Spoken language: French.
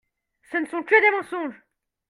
Ce ne sont que des mensonges !